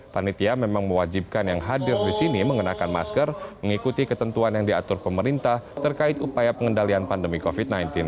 panitia memang mewajibkan yang hadir di sini mengenakan masker mengikuti ketentuan yang diatur pemerintah terkait upaya pengendalian pandemi covid sembilan belas